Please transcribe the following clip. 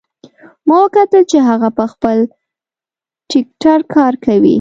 ما وکتل چې هغه په خپل ټکټر کار کوي